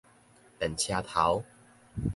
電車頭